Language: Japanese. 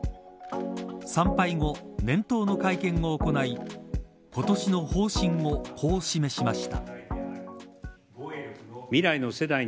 参拝後、年頭の会見を行いに今年の方針をこう示しました。